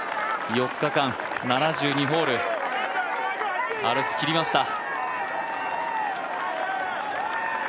４日間、７２ホール、歩ききりました。